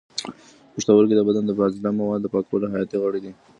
پښتورګي د بدن د فاضله موادو د پاکولو حیاتي غړي دي.